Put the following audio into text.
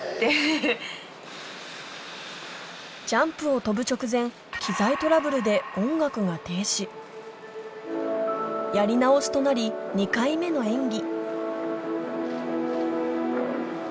ジャンプを跳ぶ直前機材トラブルでやり直しとなり２回目の演技